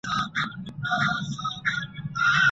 د زده کړي مواد باید معیاري وي.